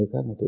thế rồi từ mỹ